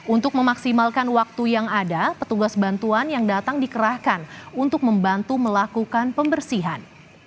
untuk memaksimalkan waktu yang ada petugas bantuan yang datang dikerahkan untuk membantu melakukan pembersihan